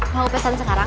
mau pesan sekarang